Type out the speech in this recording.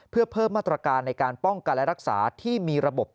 เพื่อเพิ่มมาตรการในการป้องกันและรักษาที่มีระบบ